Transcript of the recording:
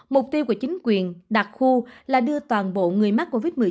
mục tiêu của chính quyền đặc khu là đưa toàn bộ người mắc covid một mươi chín